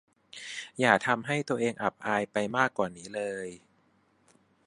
อย่าทำให้ตัวเองอับอายไปมากกว่านี้เลย